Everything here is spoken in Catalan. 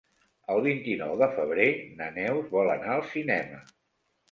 El vint-i-nou de febrer na Neus vol anar al cinema.